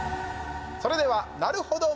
それでは、なるほど丸つけ